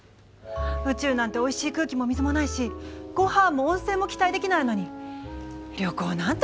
宇宙なんておいしい空気も水もないしごはんも温泉も期待できないのに旅行なんてね。